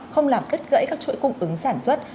không làm đứt gãy các chuỗi cung ứng sản xuất